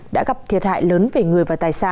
đã gặp thiệt hại lớn về người